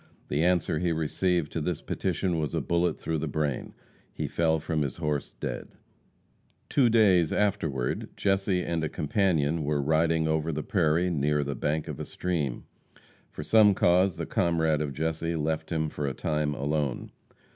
The answer he received to this petition was a bullet through the brain. He fell from his horse dead. [Illustration: Jesse James' Escape from "Pin" Indians.] Two days afterward, Jesse and a companion were riding over the prairie, near the bank of a stream. For some cause the comrade of Jesse left him for a time alone.